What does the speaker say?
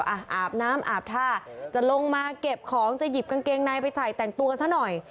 อาบน้ำอาบท่าจะลงมาเก็บของจะหยิบกางเกงในไปใส่แต่งตัวซะหน่อย